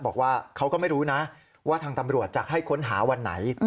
บอกว่าเขาก็ไม่รู้นะว่าทางตำรวจจะให้ค้นหาวันไหน